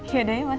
yaudah ya mas